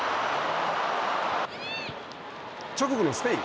直後のスペイン。